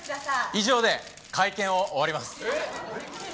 以上で会見を終わります。